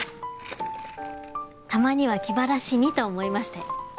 たまには気晴らしにと思いまして。